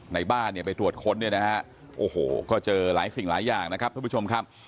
ในบ้านเนี่ยไปตรวจค้นเนี่ยนะฮะโอ้โหก็เจอหลายสิ่งหลายอย่างนะครับท่านผู้ชมครับ